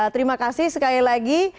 terima kasih sekali lagi